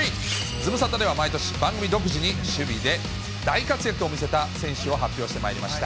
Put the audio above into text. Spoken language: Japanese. ズムサタでは毎年、守備で大活躍を見せた選手を発表してまいりました。